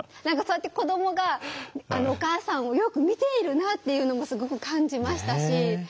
何かそうやって子どもがお母さんをよく見ているなっていうのもすごく感じましたし。